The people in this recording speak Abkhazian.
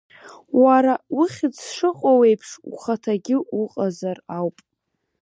Уара ухьыӡ шыҟоу еиԥш ухаҭагьы уҟазар ауп.